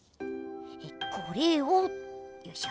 これをよいしょ。